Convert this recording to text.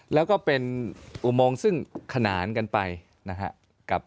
แล้วก็เป็นอุโมงซึ่งขนานกันไปนะครับ